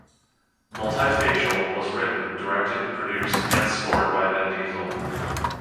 "Multi-Facial" was written, directed, produced, and scored by Vin Diesel.